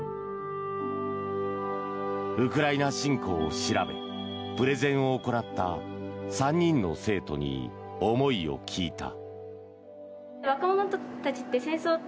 ウクライナ侵攻を調べプレゼンを行った３人の生徒に思いを聞いた。